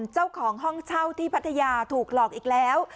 เจ้าของห้องเช่าที่พัทยาถูกหลอกอีกแล้ว